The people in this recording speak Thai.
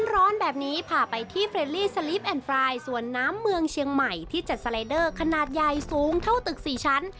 ร้อนแบบนี้พาไปที่เฟรลี่สลิปแอนดรายสวนน้ำเมืองเชียงใหม่ที่จัดสไลเดอร์ขนาดใหญ่สูงเท่าตึก๔ชั้น